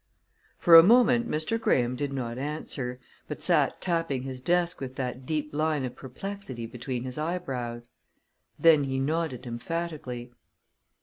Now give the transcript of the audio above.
For a moment Mr. Graham did not answer, but sat tapping his desk with that deep line of perplexity between his eyebrows. Then he nodded emphatically.